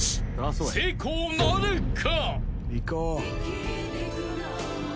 ［成功なるか？］